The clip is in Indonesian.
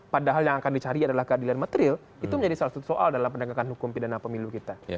padahal yang akan dicari adalah keadilan materil itu menjadi salah satu soal dalam penegakan hukum pidana pemilu kita